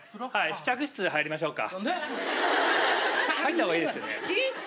試着室、入りましょうか。